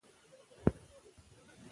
پوهه د پوهې په لاره کې خنډونه ختموي.